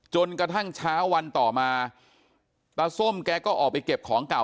จนกระทั่งเช้าวันต่อมาตาส้มแกก็ออกไปเก็บของเก่า